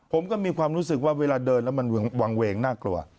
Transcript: ผมก็มีความรู้สึกว่าเวลาเดินแล้วมันวางเวงน่ากลัว